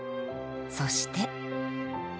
そして。